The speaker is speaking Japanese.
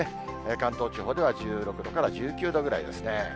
関東地方では１６度から１９度ぐらいですね。